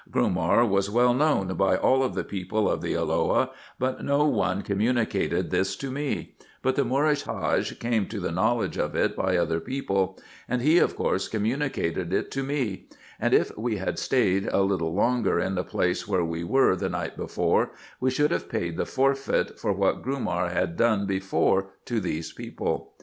Grumar was well known by all the people of the Elloah, but no one communicated this to me ; but the M oorish Pladge came to the knowledge of it by other people, and he of course communicated it to me ; and if we had staid a little longer in the place where we were the night before, we should have paid the forfeit for what Grumar had done before to these people.